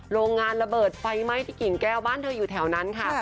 โรงงานระเบิดไฟไหม้ที่กิ่งแก้วบ้านเธออยู่แถวนั้นค่ะ